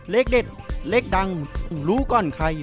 เลขเด็ดเลขดังรู้ก่อนใคร